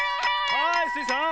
はいスイさん。